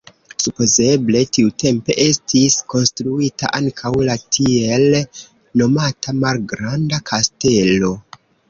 Supozeble tiutempe estis konstruita ankaŭ la tiel nomata malgranda kastelo.